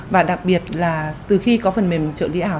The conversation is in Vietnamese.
và đặc biệt là từ khi có phần mềm trợ lý ảo